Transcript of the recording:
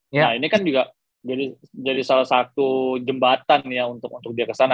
nah ini kan juga jadi salah satu jembatan ya untuk dia kesana